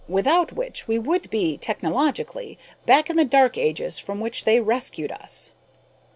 Without which we would be, technologically, back in the dark ages from which they rescued us."